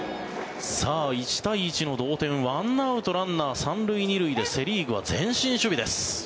１対１の同点１アウト、ランナー３塁２塁でセ・リーグは前進守備です。